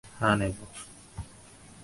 হাঁ, নেব।